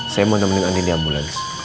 saya mau nemenin andi di ambulans